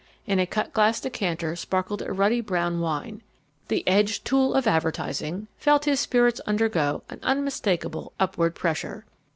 In a cut glass decanter sparkled a ruddy brown wine. The edged tool of Advertising felt his spirits undergo an unmistakable upward pressure.